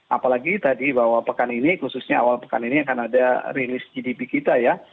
apalagi tadi bahwa pekan ini khususnya awal pekan ini akan ada rilis gdp kita ya